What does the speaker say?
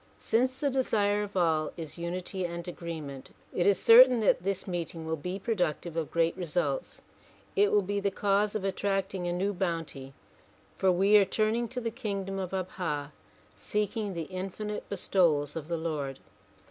Since the desire of all is unity and agreement it is certain that this meeting will be productive of great results. It will be the cause of attracting a new bounty for we are turning to the king dom of Abha seeking the infinite bestowals of the Lord.